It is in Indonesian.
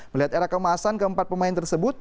melihat era kemasan keempat pemain tersebut